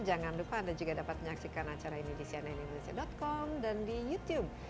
jangan lupa anda juga dapat menyaksikan acara ini di cnnindonesia com dan di youtube